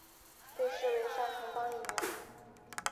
被视为三重帮一员。